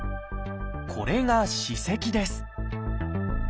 これが「歯石」です。